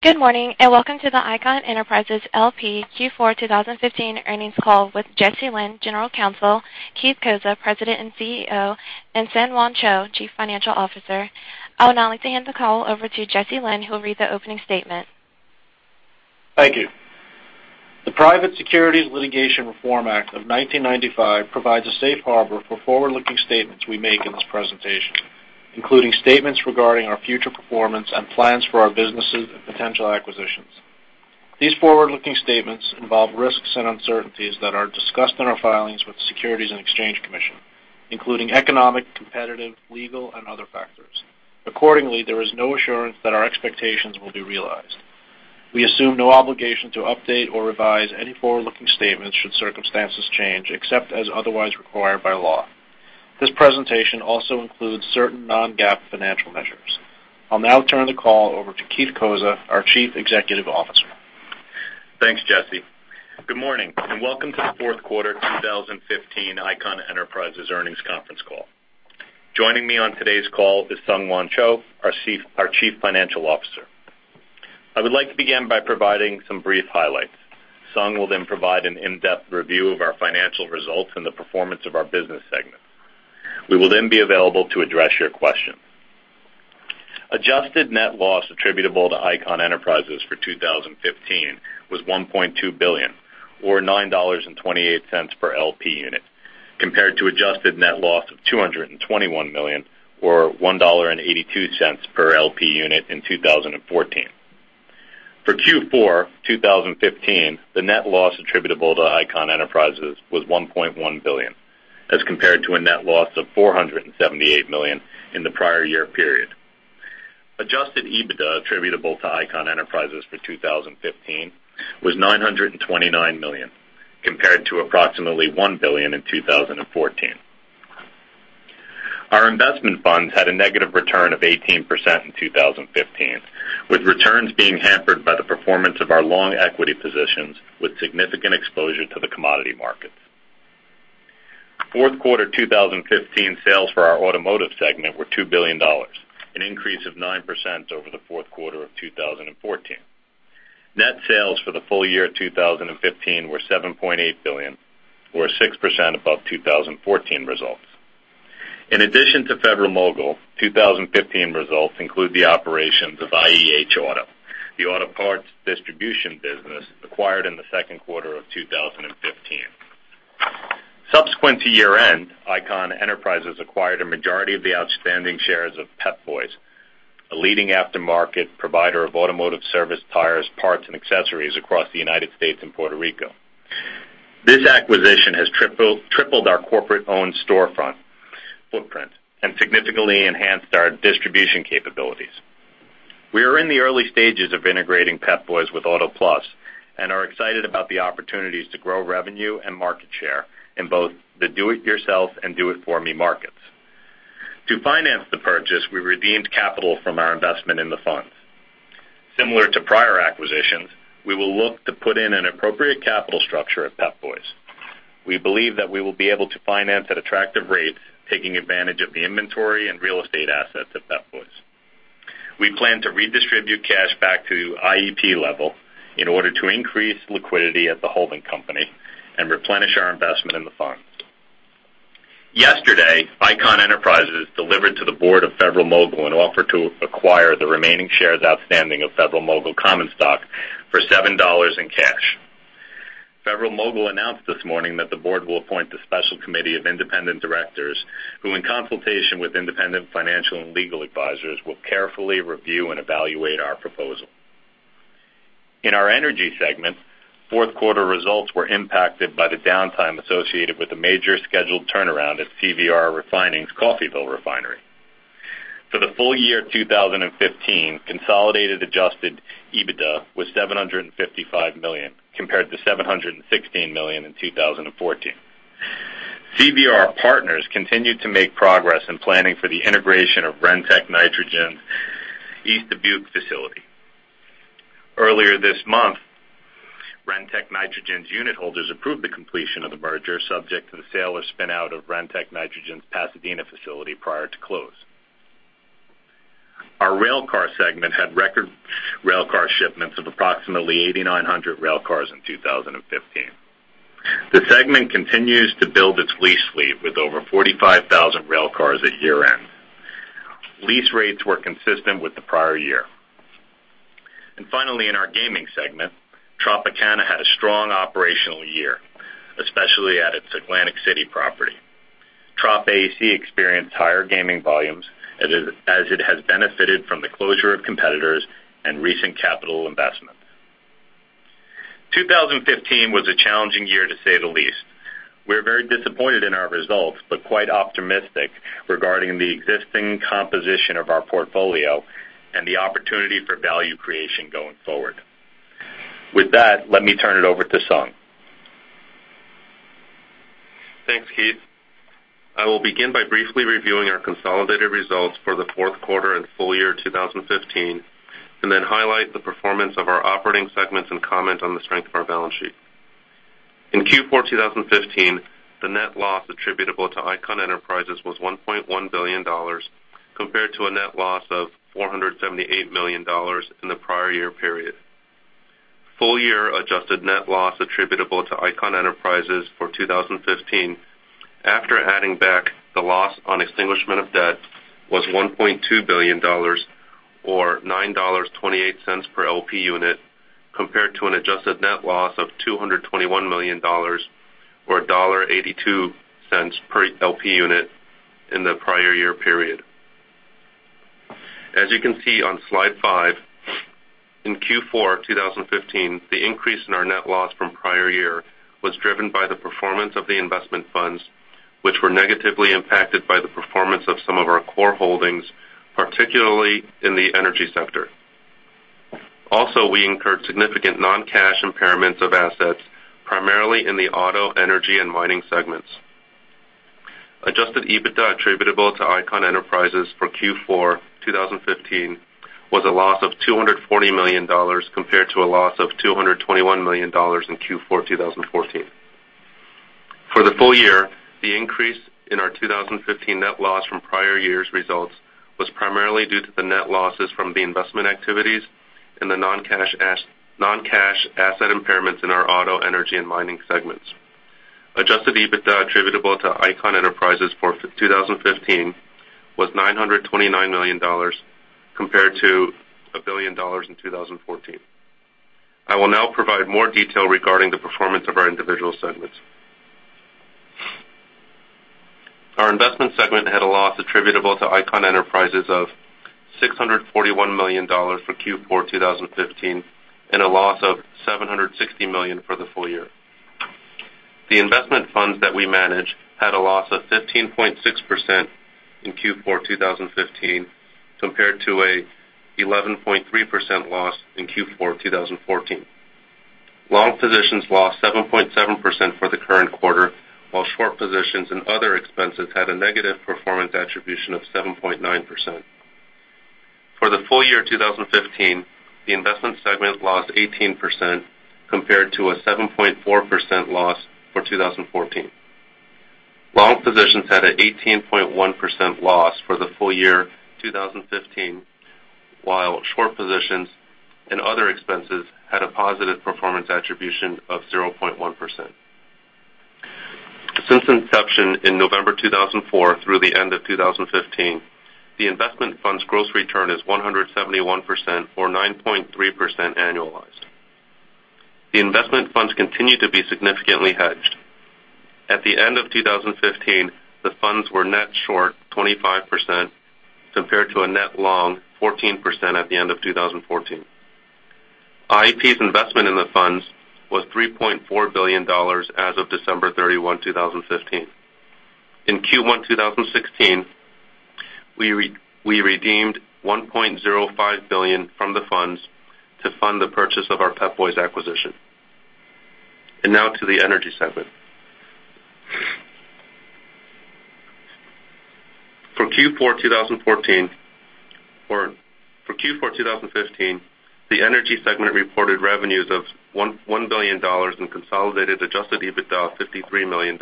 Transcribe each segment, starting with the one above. Good morning, welcome to the Icahn Enterprises L.P. Q4 2015 earnings call with Jesse Lynn, General Counsel, Keith Cozza, President and CEO, and SungHwan Cho, Chief Financial Officer. I would now like to hand the call over to Jesse Lynn, who will read the opening statement. Thank you. The Private Securities Litigation Reform Act of 1995 provides a safe harbor for forward-looking statements we make in this presentation, including statements regarding our future performance and plans for our businesses and potential acquisitions. These forward-looking statements involve risks and uncertainties that are discussed in our filings with the Securities and Exchange Commission, including economic, competitive, legal, and other factors. There is no assurance that our expectations will be realized. We assume no obligation to update or revise any forward-looking statements should circumstances change, except as otherwise required by law. This presentation also includes certain non-GAAP financial measures. I'll now turn the call over to Keith Cozza, our Chief Executive Officer. Thanks, Jesse. Good morning, welcome to the fourth quarter 2015 Icahn Enterprises earnings conference call. Joining me on today's call is SungHwan Cho, our Chief Financial Officer. I would like to begin by providing some brief highlights. Sung will provide an in-depth review of our financial results and the performance of our business segment. We will be available to address your questions. Adjusted net loss attributable to Icahn Enterprises for 2015 was $1.2 billion, or $9.28 per L.P. unit, compared to adjusted net loss of $221 million, or $1.82 per L.P. unit in 2014. For Q4 2015, the net loss attributable to Icahn Enterprises was $1.1 billion as compared to a net loss of $478 million in the prior year period. Adjusted EBITDA attributable to Icahn Enterprises for 2015 was $929 million, compared to approximately $1 billion in 2014. Our investment funds had a negative return of 18% in 2015, with returns being hampered by the performance of our long equity positions, with significant exposure to the commodity markets. Fourth quarter 2015 sales for our automotive segment were $2 billion, an increase of 9% over the fourth quarter of 2014. Net sales for the full year 2015 were $7.8 billion or 6% above 2014 results. In addition to Federal-Mogul, 2015 results include the operations of IEH Auto, the auto parts distribution business acquired in the second quarter of 2015. Subsequent to year-end, Icahn Enterprises acquired a majority of the outstanding shares of Pep Boys, a leading aftermarket provider of automotive service, tires, parts, and accessories across the U.S. and Puerto Rico. This acquisition has tripled our corporate-owned storefront footprint and significantly enhanced our distribution capabilities. We are in the early stages of integrating Pep Boys with Auto Plus and are excited about the opportunities to grow revenue and market share in both the do it yourself and do it for me markets. To finance the purchase, we redeemed capital from our investment in the funds. Similar to prior acquisitions, we will look to put in an appropriate capital structure at Pep Boys. We believe that we will be able to finance at attractive rates, taking advantage of the inventory and real estate assets at Pep Boys. We plan to redistribute cash back to IEP level in order to increase liquidity at the holding company and replenish our investment in the fund. Yesterday, Icahn Enterprises delivered to the board of Federal-Mogul an offer to acquire the remaining shares outstanding of Federal-Mogul common stock for $7 in cash. Federal-Mogul announced this morning that the board will appoint a special committee of independent directors, who, in consultation with independent financial and legal advisors, will carefully review and evaluate our proposal. In our energy segment, fourth quarter results were impacted by the downtime associated with a major scheduled turnaround at CVR Refining's Coffeyville Refinery. For the full year 2015, consolidated adjusted EBITDA was $755 million, compared to $716 million in 2014. CVR Partners continued to make progress in planning for the integration of Rentech Nitrogen's East Dubuque facility. Earlier this month, Rentech Nitrogen's unit holders approved the completion of the merger, subject to the sale or spin-out of Rentech Nitrogen's Pasadena facility prior to close. Our railcar segment had record railcar shipments of approximately 8,900 railcars in 2015. The segment continues to build its lease fleet with over 45,000 railcars at year-end. Lease rates were consistent with the prior year. Finally, in our gaming segment, Tropicana had a strong operational year, especially at its Atlantic City property. Trop AC experienced higher gaming volumes as it has benefited from the closure of competitors and recent capital investments. 2015 was a challenging year, to say the least. We're very disappointed in our results, but quite optimistic regarding the existing composition of our portfolio and the opportunity for value creation going forward. With that, let me turn it over to Sung. Thanks, Keith. I will begin by briefly reviewing our consolidated results for the fourth quarter and full year 2015, then highlight the performance of our operating segments and comment on the strength of our balance sheet. In Q4 2015, the net loss attributable to Icahn Enterprises was $1.1 billion, compared to a net loss of $478 million in the prior year period. Full year adjusted net loss attributable to Icahn Enterprises for 2015, after adding back the loss on extinguishment of debt, was $1.2 billion or $9.28 per LP unit, compared to an adjusted net loss of $221 million or $1.82 per LP unit in the prior year period. As you can see on slide five, in Q4 2015, the increase in our net loss from prior year was driven by the performance of the investment funds, which were negatively impacted by the performance of some of our core holdings, particularly in the energy sector. Also, we incurred significant non-cash impairments of assets, primarily in the auto, energy, and mining segments. Adjusted EBITDA attributable to Icahn Enterprises for Q4 2015 was a loss of $240 million, compared to a loss of $221 million in Q4 2014. For the full year, the increase in our 2015 net loss from prior year's results was primarily due to the net losses from the investment activities and the non-cash asset impairments in our auto, energy, and mining segments. Adjusted EBITDA attributable to Icahn Enterprises for 2015 was $929 million, compared to $1 billion in 2014. I will now provide more detail regarding the performance of our individual segments. Our investment segment had a loss attributable to Icahn Enterprises of $641 million for Q4 2015, and a loss of $760 million for the full year. The investment funds that we manage had a loss of 15.6% in Q4 2015, compared to an 11.3% loss in Q4 2014. Long positions lost 7.7% for the current quarter, while short positions and other expenses had a negative performance attribution of 7.9%. For the full year 2015, the investment segment lost 18%, compared to a 7.4% loss for 2014. Long positions had an 18.1% loss for the full year 2015, while short positions and other expenses had a positive performance attribution of 0.1%. Since inception in November 2004 through the end of 2015, the investment fund's gross return is 171%, or 9.3% annualized. The investment funds continue to be significantly hedged. At the end of 2015, the funds were net short 25%, compared to a net long 14% at the end of 2014. IEP's investment in the funds was $3.4 billion as of December 31, 2015. In Q1 2016, we redeemed $1.05 billion from the funds to fund the purchase of our Pep Boys acquisition. Now to the energy segment. For Q4 2015, the energy segment reported revenues of $1 billion and consolidated adjusted EBITDA of $53 million,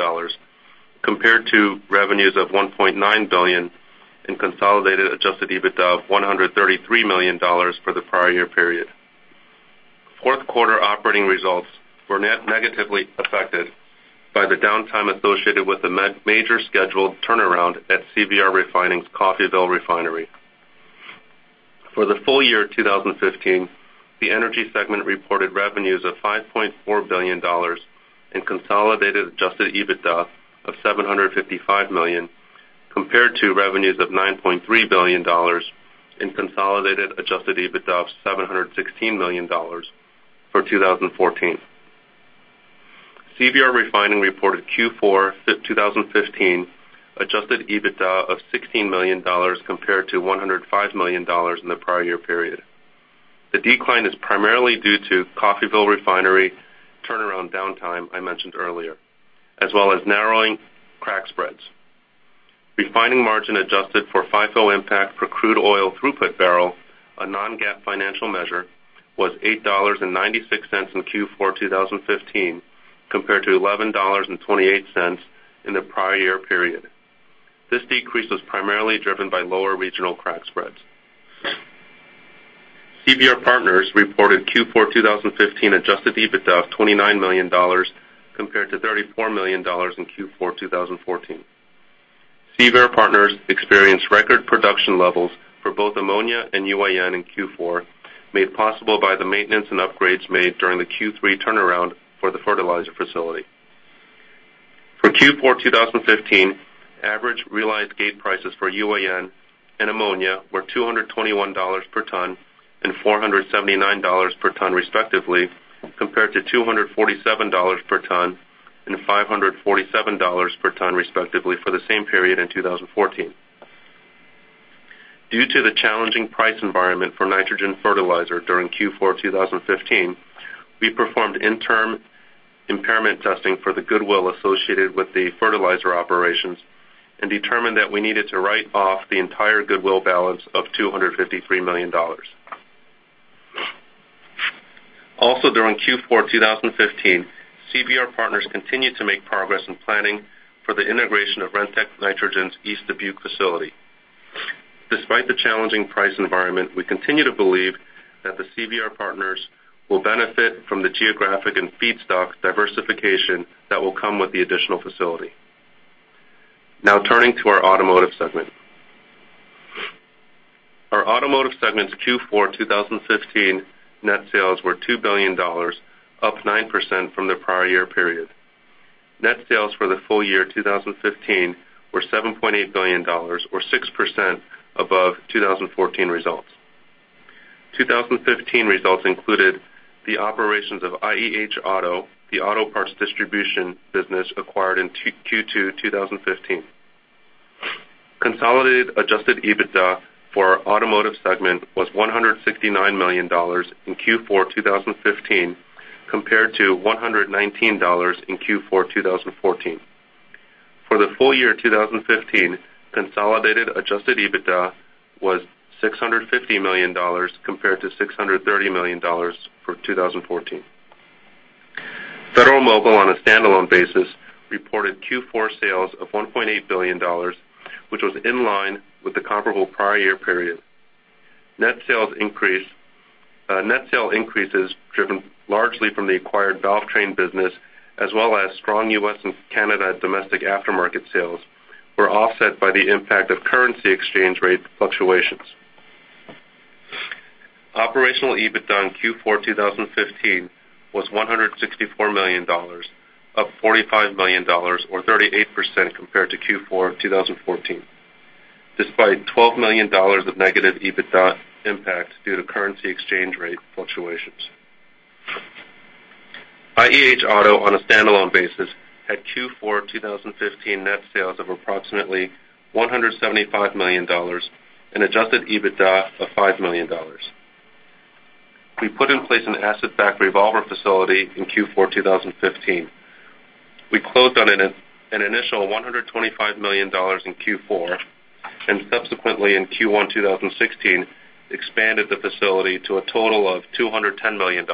compared to revenues of $1.9 billion and consolidated adjusted EBITDA of $133 million for the prior year period. Fourth quarter operating results were negatively affected by the downtime associated with the major scheduled turnaround at CVR Refining's Coffeyville Refinery. For the full year 2015, the energy segment reported revenues of $5.4 billion in consolidated adjusted EBITDA of $755 million, compared to revenues of $9.3 billion in consolidated adjusted EBITDA of $716 million for 2014. CVR Refining reported Q4 2015 adjusted EBITDA of $16 million compared to $105 million in the prior year period. The decline is primarily due to Coffeyville Refinery turnaround downtime I mentioned earlier, as well as narrowing crack spreads. Refining margin adjusted for FIFO impact per crude oil throughput barrel, a non-GAAP financial measure, was $8.96 in Q4 2015 compared to $11.28 in the prior year period. This decrease was primarily driven by lower regional crack spreads. CVR Partners reported Q4 2015 adjusted EBITDA of $29 million, compared to $34 million in Q4 2014. CVR Partners experienced record production levels for both ammonia and UAN in Q4, made possible by the maintenance and upgrades made during the Q3 turnaround for the fertilizer facility. For Q4 2015, average realized gate prices for UAN and ammonia were $221 per ton and $479 per ton respectively, compared to $247 per ton and $547 per ton respectively for the same period in 2014. Due to the challenging price environment for nitrogen fertilizer during Q4 2015, we performed interim impairment testing for the goodwill associated with the fertilizer operations and determined that we needed to write off the entire goodwill balance of $253 million. During Q4 2015, CVR Partners continued to make progress in planning for the integration of Rentech Nitrogen Partners' East Dubuque facility. Despite the challenging price environment, we continue to believe that CVR Partners will benefit from the geographic and feedstock diversification that will come with the additional facility. Now turning to our automotive segment. Our automotive segment's Q4 2015 net sales were $2 billion, up 9% from the prior year period. Net sales for the full year 2015 were $7.8 billion, or 6% above 2014 results. 2015 results included the operations of IEH Auto, the auto parts distribution business acquired in Q2 2015. Consolidated adjusted EBITDA for our automotive segment was $169 million in Q4 2015 compared to $119 million in Q4 2014. For the full year 2015, consolidated adjusted EBITDA was $650 million compared to $630 million for 2014. Federal-Mogul on a standalone basis reported Q4 sales of $1.8 billion, which was in line with the comparable prior year period. Net sales increases driven largely from the acquired Valvetrain business as well as strong U.S. and Canada domestic aftermarket sales were offset by the impact of currency exchange rate fluctuations. Operational EBITDA in Q4 2015 was $164 million, up $45 million or 38% compared to Q4 2014, despite $12 million of negative EBITDA impact due to currency exchange rate fluctuations. IEH Auto, on a standalone basis, had Q4 2015 net sales of approximately $175 million, an adjusted EBITDA of $5 million. We put in place an asset-backed revolver facility in Q4 2015. We closed on an initial $125 million in Q4, and subsequently in Q1 2016 expanded the facility to a total of $210 million.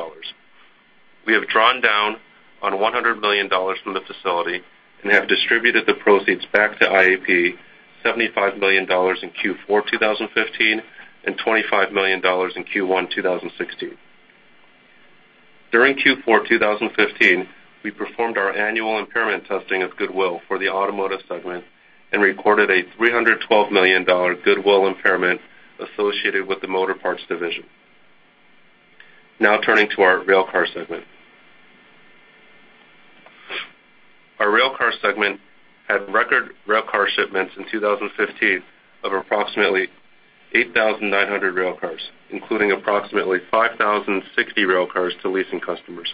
We have drawn down on $100 million from the facility and have distributed the proceeds back to IEP, $75 million in Q4 2015 and $25 million in Q1 2016. During Q4 2015, we performed our annual impairment testing of goodwill for the automotive segment and recorded a $312 million goodwill impairment associated with the motor parts division. Now turning to our railcar segment. Our railcar segment had record railcar shipments in 2015 of approximately 8,900 railcars, including approximately 5,060 railcars to leasing customers,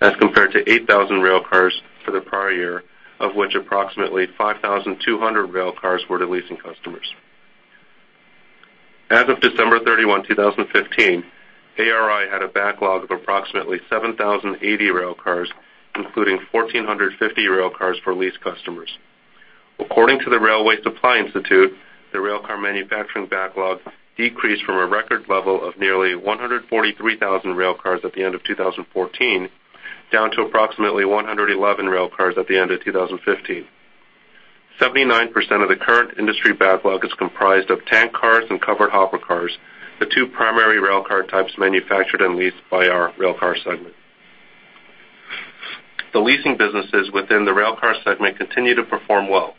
as compared to 8,000 railcars for the prior year, of which approximately 5,200 railcars were to leasing customers. As of December 31, 2015, ARI had a backlog of approximately 7,080 railcars, including 1,450 railcars for lease customers. According to the Railway Supply Institute, the railcar manufacturing backlog decreased from a record level of nearly 143,000 railcars at the end of 2014 down to approximately 111,000 railcars at the end of 2015. 79% of the current industry backlog is comprised of tank cars and covered hopper cars, the two primary railcar types manufactured and leased by our railcar segment. The leasing businesses within the railcar segment continue to perform well.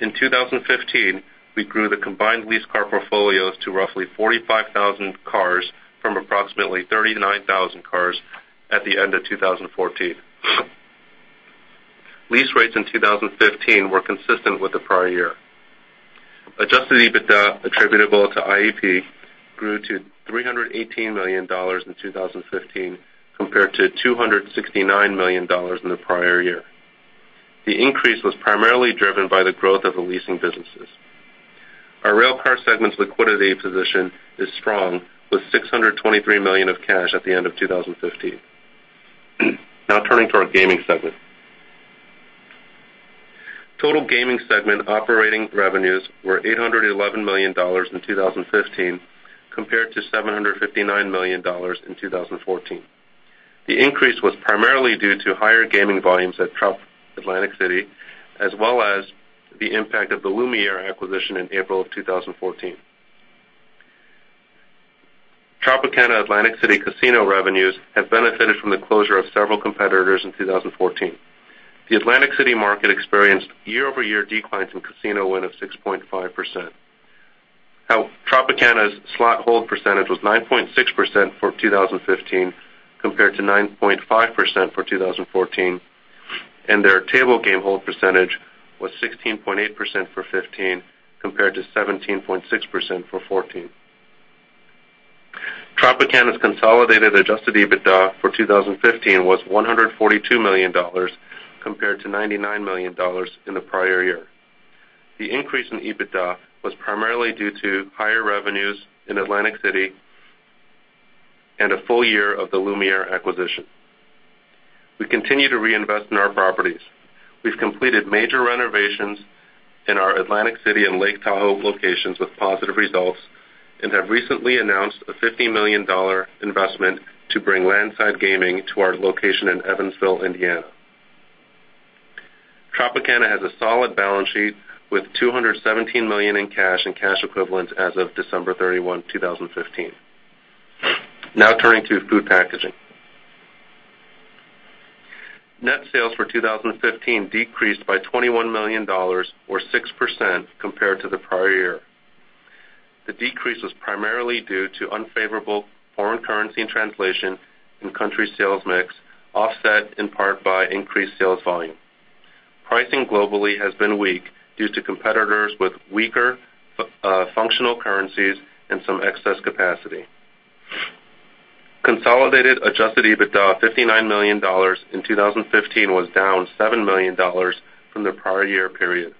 In 2015, we grew the combined lease car portfolios to roughly 45,000 cars from approximately 39,000 cars at the end of 2014. Lease rates in 2015 were consistent with the prior year. Adjusted EBITDA attributable to IEP grew to $318 million in 2015 compared to $269 million in the prior year. The increase was primarily driven by the growth of the leasing businesses. Our railcar segment's liquidity position is strong with $623 million of cash at the end of 2015. Turning to our gaming segment. Total gaming segment operating revenues were $811 million in 2015 compared to $759 million in 2014. The increase was primarily due to higher gaming volumes at Tropicana Atlantic City, as well as the impact of the Lumière acquisition in April of 2014. Tropicana Atlantic City casino revenues have benefited from the closure of several competitors in 2014. The Atlantic City market experienced year-over-year declines in casino win of 6.5%. Tropicana's slot hold percentage was 9.6% for 2015 compared to 9.5% for 2014, and their table game hold percentage was 16.8% for '15 compared to 17.6% for '14. Tropicana's consolidated adjusted EBITDA for 2015 was $142 million compared to $99 million in the prior year. The increase in EBITDA was primarily due to higher revenues in Atlantic City and a full year of the Lumière acquisition. We continue to reinvest in our properties. We've completed major renovations in our Atlantic City and Lake Tahoe locations with positive results, and have recently announced a $50 million investment to bring land side gaming to our location in Evansville, Indiana. Tropicana has a solid balance sheet with $217 million in cash and cash equivalents as of December 31, 2015. Turning to food packaging. Net sales for 2015 decreased by $21 million, or 6%, compared to the prior year. The decrease was primarily due to unfavorable foreign currency and translation in country sales mix, offset in part by increased sales volume. Pricing globally has been weak due to competitors with weaker functional currencies and some excess capacity. Consolidated adjusted EBITDA, $59 million in 2015, was down $7 million from the prior year period.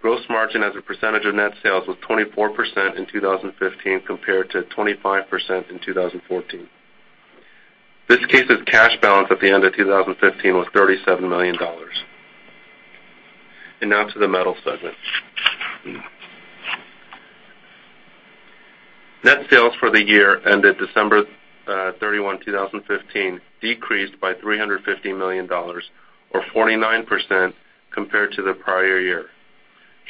Gross margin as a percentage of net sales was 24% in 2015 compared to 25% in 2014. Viskase's cash balance at the end of 2015 was $37 million. Now to the metals segment. Net sales for the year ended December 31, 2015, decreased by $350 million, or 49%, compared to the prior year.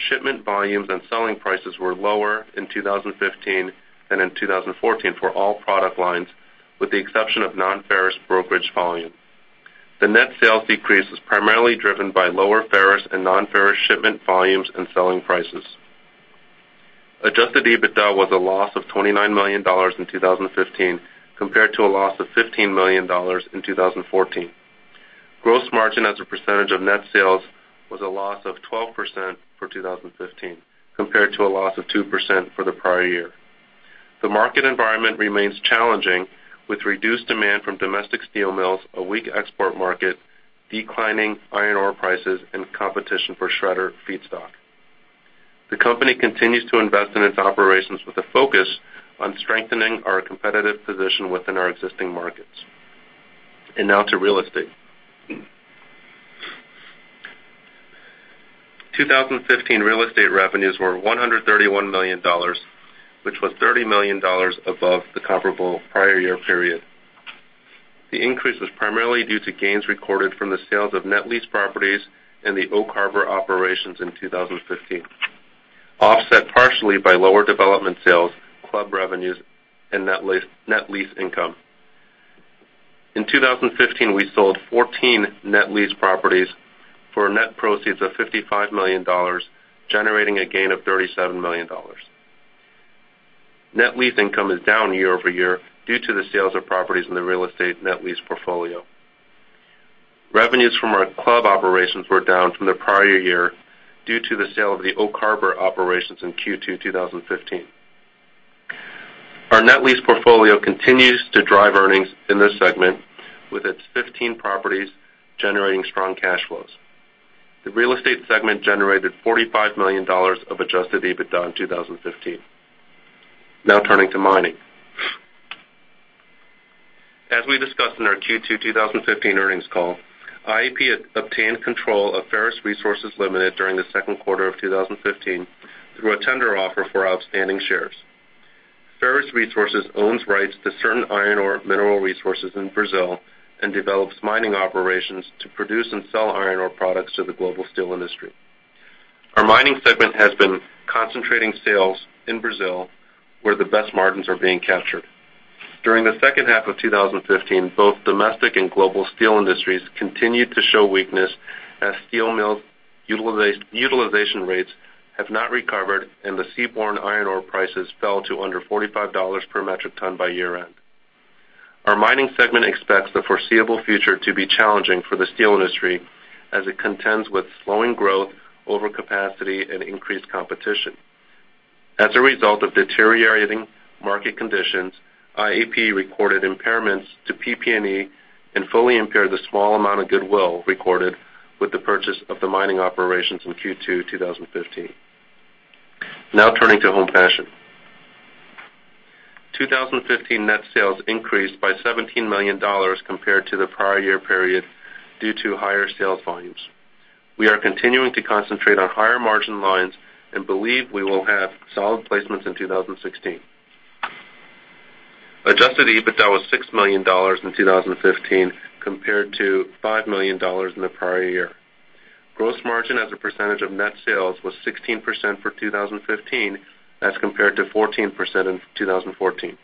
Shipment volumes and selling prices were lower in 2015 than in 2014 for all product lines, with the exception of non-ferrous brokerage volume. The net sales decrease was primarily driven by lower ferrous and non-ferrous shipment volumes and selling prices. Adjusted EBITDA was a loss of $29 million in 2015, compared to a loss of $15 million in 2014. Gross margin as a percentage of net sales was a loss of 12% for 2015, compared to a loss of 2% for the prior year. The market environment remains challenging with reduced demand from domestic steel mills, a weak export market, declining iron ore prices, and competition for shredder feedstock. The company continues to invest in its operations with a focus on strengthening our competitive position within our existing markets. Now to real estate. 2015 real estate revenues were $131 million, which was $30 million above the comparable prior year period. The increase was primarily due to gains recorded from the sales of net lease properties and the Oak Harbor operations in 2015, offset partially by lower development sales, club revenues, and net lease income. In 2015, we sold 14 net lease properties for net proceeds of $55 million, generating a gain of $37 million. Net lease income is down year-over-year due to the sales of properties in the real estate net lease portfolio. Revenues from our club operations were down from the prior year due to the sale of the Oak Harbor operations in Q2 2015. Our net lease portfolio continues to drive earnings in this segment with its 15 properties generating strong cash flows. The real estate segment generated $45 million of adjusted EBITDA in 2015. Now turning to mining. As we discussed in our Q2 2015 earnings call, IEP obtained control of Ferrous Resources Limited during the second quarter of 2015 through a tender offer for outstanding shares. Ferrous Resources owns rights to certain iron ore mineral resources in Brazil and develops mining operations to produce and sell iron ore products to the global steel industry. Our mining segment has been concentrating sales in Brazil, where the best margins are being captured. During the second half of 2015, both domestic and global steel industries continued to show weakness as steel mill utilization rates have not recovered and the seaborne iron ore prices fell to under $45 per metric ton by year-end. Our mining segment expects the foreseeable future to be challenging for the steel industry as it contends with slowing growth, overcapacity, and increased competition. As a result of deteriorating market conditions, IEP recorded impairments to PP&E and fully impaired the small amount of goodwill recorded with the purchase of the mining operations in Q2 2015. Now turning to Home Fashion. 2015 net sales increased by $17 million compared to the prior year period due to higher sales volumes. We are continuing to concentrate on higher margin lines and believe we will have solid placements in 2016. Adjusted EBITDA was $6 million in 2015 compared to $5 million in the prior year. Gross margin as a percentage of net sales was 16% for 2015 as compared to 14% in 2014.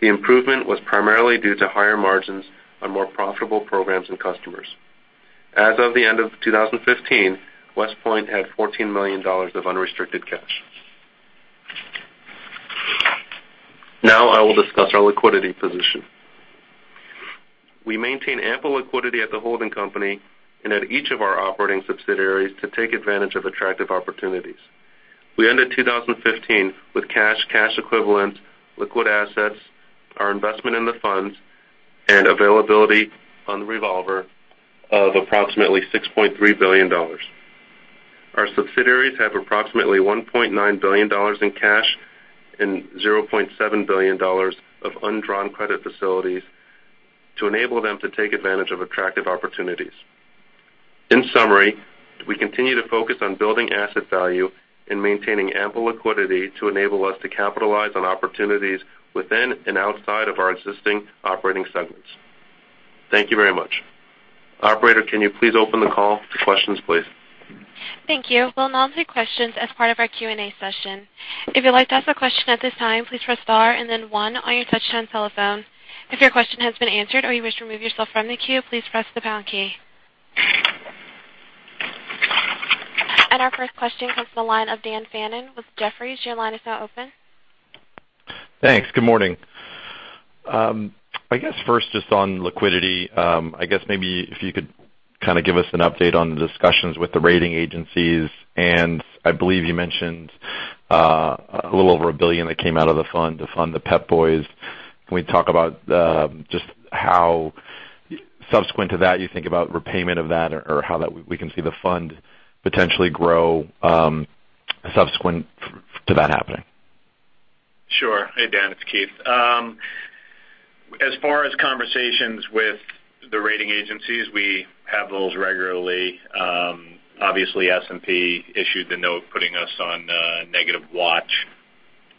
The improvement was primarily due to higher margins on more profitable programs and customers. As of the end of 2015, West Point had $14 million of unrestricted cash. Now I will discuss our liquidity position. We maintain ample liquidity at the holding company and at each of our operating subsidiaries to take advantage of attractive opportunities. We ended 2015 with cash equivalents, liquid assets, our investment in the funds, and availability on the revolver of approximately $6.3 billion. Our subsidiaries have approximately $1.9 billion in cash and $0.7 billion of undrawn credit facilities to enable them to take advantage of attractive opportunities. In summary, we continue to focus on building asset value and maintaining ample liquidity to enable us to capitalize on opportunities within and outside of our existing operating segments. Thank you very much. Operator, can you please open the call to questions, please? Thank you. We'll now take questions as part of our Q&A session. If you'd like to ask a question at this time, please press star and then one on your touchtone telephone. If your question has been answered or you wish to remove yourself from the queue, please press the pound key. Our first question comes from the line of Daniel Fannon with Jefferies. Your line is now open. Thanks. Good morning. I guess first, just on liquidity, I guess maybe if you could give us an update on the discussions with the rating agencies, and I believe you mentioned a little over $1 billion that came out of the fund to fund the Pep Boys. Can we talk about just how subsequent to that you think about repayment of that or how that we can see the fund potentially grow subsequent to that happening? Sure. Hey, Dan, it's Keith. As far as conversations with the rating agencies, we have those regularly. Obviously, S&P issued the note putting us on negative watch,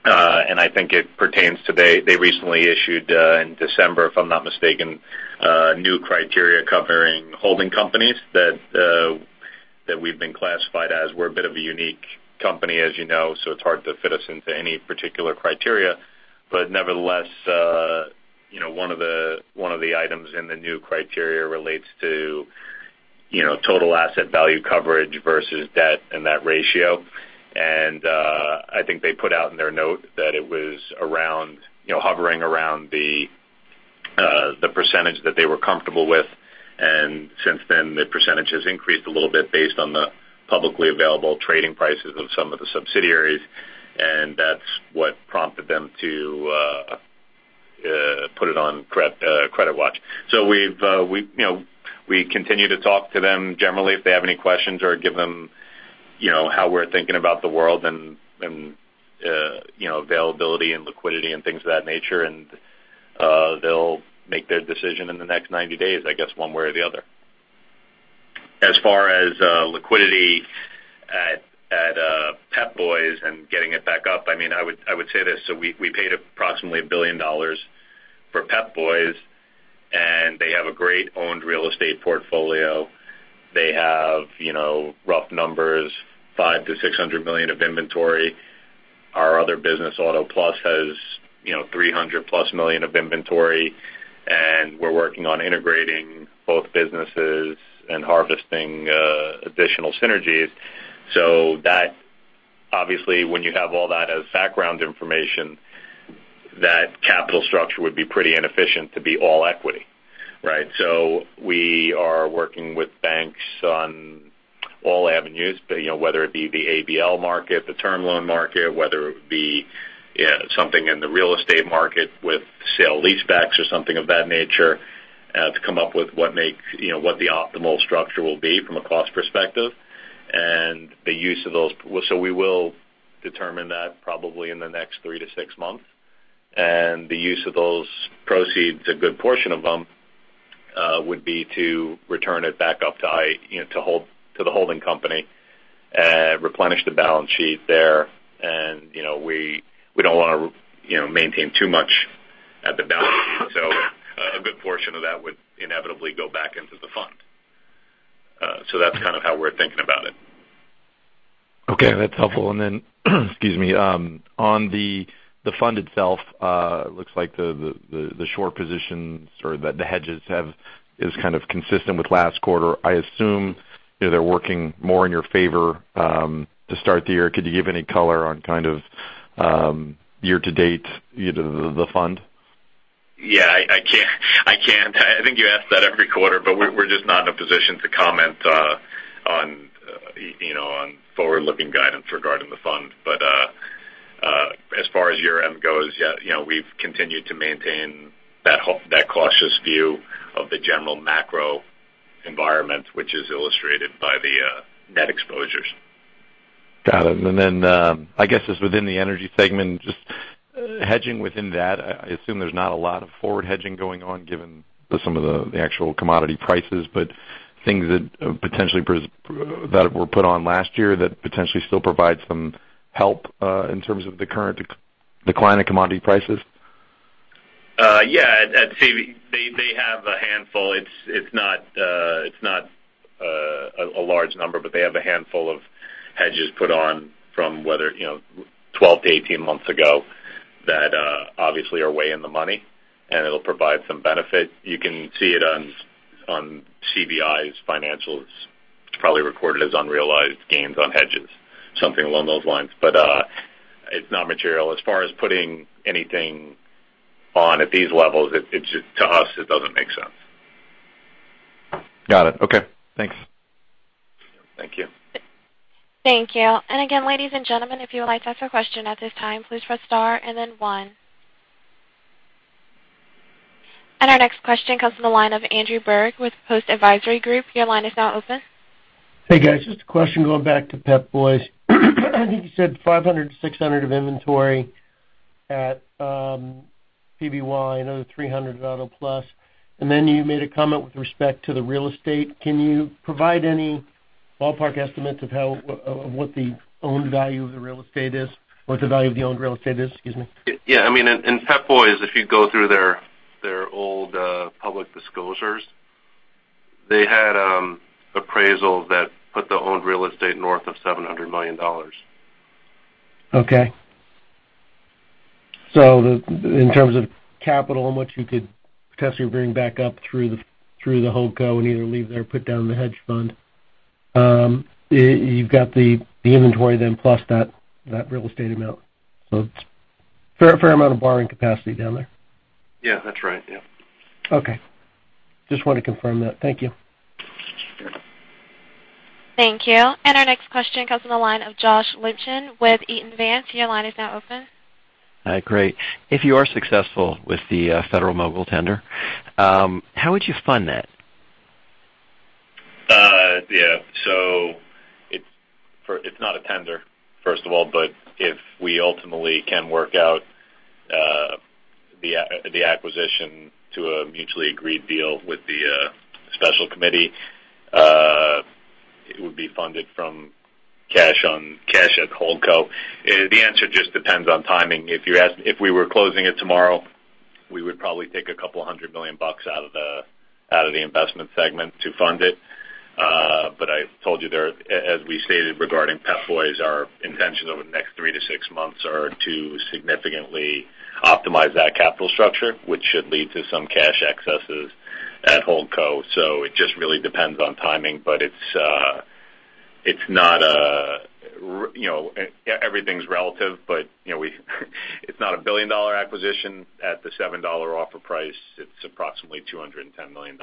and I think it pertains to they recently issued, in December if I'm not mistaken, new criteria covering holding companies that we've been classified as. We're a bit of a unique company, as you know, so it's hard to fit us into any particular criteria. Nevertheless, one of the items in the new criteria relates to total asset value coverage versus debt and that ratio. I think they put out in their note that it was hovering around the percentage that they were comfortable with. Since then, the percentage has increased a little bit based on the publicly available trading prices of some of the subsidiaries, and that's what prompted them to put it on credit watch. We continue to talk to them generally if they have any questions or give them how we're thinking about the world and availability and liquidity and things of that nature, and they'll make their decision in the next 90 days, I guess, one way or the other. As far as liquidity at Pep Boys and getting it back up, I would say this. We paid approximately $1 billion for Pep Boys, and they have a great owned real estate portfolio. They have, rough numbers, $500 million-$600 million of inventory. Our other business, Auto Plus, has $300 million-plus of inventory, and we're working on integrating both businesses and harvesting additional synergies. That obviously, when you have all that as background information, that capital structure would be pretty inefficient to be all equity, right? We are working with banks on all avenues, whether it be the ABL market, the term loan market, whether it would be something in the real estate market with sale leasebacks or something of that nature, to come up with what the optimal structure will be from a cost perspective and the use of those. We will determine that probably in the next 3-6 months. The use of those proceeds, a good portion of them, would be to return it back up to the holding company, replenish the balance sheet there. We don't want to maintain too much at the balance sheet. A good portion of that would inevitably go back into the fund. That's kind of how we're thinking about it. Okay, that's helpful. On the fund itself, looks like the short positions or the hedges is kind of consistent with last quarter. I assume they're working more in your favor to start the year. Could you give any color on kind of year-to-date the fund? I can't. I think you ask that every quarter, but we're just not in a position to comment on forward-looking guidance regarding the fund. As far as year-end goes, we've continued to maintain that cautious view of the general macro environment, which is illustrated by the net exposures. Got it. I guess just within the energy segment, just hedging within that, I assume there's not a lot of forward hedging going on given some of the actual commodity prices, but things that were put on last year that potentially still provide some help in terms of the current decline in commodity prices? Yeah. I'd say they have a handful. It's not a large number, but they have a handful of hedges put on from 12 to 18 months ago that obviously are way in the money, and it'll provide some benefit. You can see it on CVI's financials. It's probably recorded as unrealized gains on hedges, something along those lines, but it's not material. As far as putting anything on at these levels, to us, it doesn't make sense. Got it. Okay. Thanks. Thank you. Thank you. Again, ladies and gentlemen, if you would like to ask a question at this time, please press star and then one. Our next question comes from the line of Andrew Berg with Post Advisory Group. Your line is now open. Hey, guys. Just a question going back to Pep Boys. I think you said $500-$600 of inventory at PBY, another $300 at AutoPlus, you made a comment with respect to the real estate. Can you provide any ballpark estimates of what the owned value of the real estate is, or what the value of the owned real estate is? Excuse me. In Pep Boys, if you go through their old public disclosures, they had appraisals that put the owned real estate north of $700 million. Okay. In terms of capital and what you could potentially bring back up through the Holdco and either leave there or put down in the hedge fund, you've got the inventory then plus that real estate amount. It's a fair amount of borrowing capacity down there. Yeah, that's right. Yeah. Okay. Just wanted to confirm that. Thank you. Thank you. Our next question comes from the line of Josh Litchin with Eaton Vance. Your line is now open. Hi. Great. If you are successful with the Federal-Mogul tender, how would you fund that? Yeah. It's not a tender, first of all, if we ultimately can work out the acquisition to a mutually agreed deal with the special committee, it would be funded from cash at Holdco. The answer just depends on timing. If we were closing it tomorrow, we would probably take $200 million out of the investment segment to fund it. I told you there, as we stated regarding Pep Boys, our intentions over the next three to six months are to significantly optimize that capital structure, which should lead to some cash excesses at Holdco. It just really depends on timing. Everything's relative. It's not a billion-dollar acquisition. At the $7 offer price, it's approximately $210 million.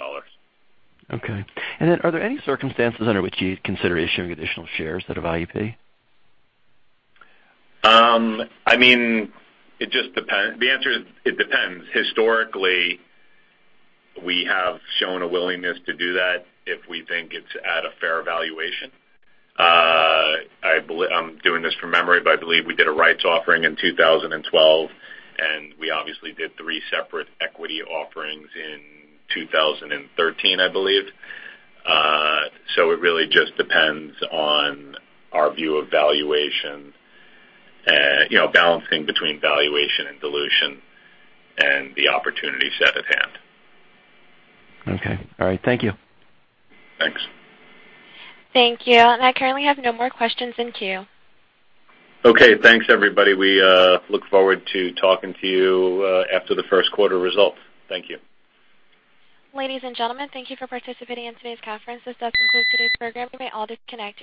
Okay. Are there any circumstances under which you'd consider issuing additional shares at a fair value? The answer is it depends. Historically, we have shown a willingness to do that if we think it's at a fair valuation. I'm doing this from memory. I believe we did a rights offering in 2012. We obviously did three separate equity offerings in 2013, I believe. It really just depends on our view of valuation, balancing between valuation and dilution and the opportunity set at hand. Okay. All right. Thank you. Thanks. Thank you. I currently have no more questions in queue. Okay. Thanks, everybody. We look forward to talking to you after the first quarter results. Thank you. Ladies and gentlemen, thank you for participating in today's conference. This does conclude today's program. You may all disconnect.